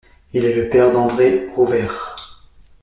Il est le père d'André Rouveyre.